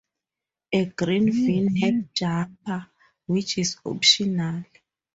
A green V-Neck Jumper which is Optional.